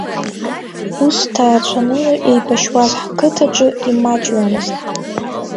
Ус ҭаацәаныла еибашьуаз ҳқыҭаҿы имаҷҩымызт.